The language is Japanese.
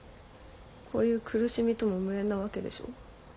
こういう苦しみとも無縁なわけでしょ？